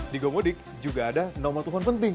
di gomudik juga ada nomor telepon penting